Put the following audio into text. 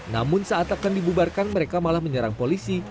namun saat akan dibubarkan mereka malah menyerang polisi